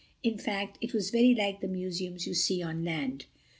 In fact it was very like the museums you see on land.